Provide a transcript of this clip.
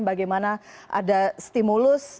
bagaimana ada stimulus